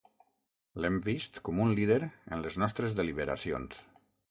L'hem vist com un líder en les nostres deliberacions.